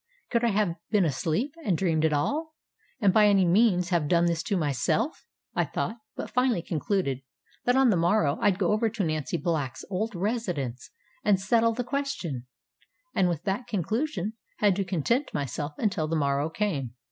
Could I have been asleep and dreamed it all, and by any means have done this to myself? I thought, but finally concluded that on the morrow IŌĆÖd go over to Nancy BlackŌĆÖs old residence and settle the question; and with that conclusion had to content myself until the morrow came.